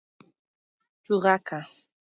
🐦 چوغکه